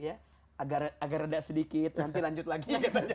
agar reda sedikit nanti lanjut lagi